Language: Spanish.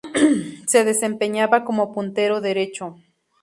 Se desempeñaba como puntero derecho.